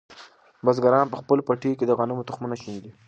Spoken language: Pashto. بزګران په خپلو پټیو کې د غنمو تخمونه شیندي.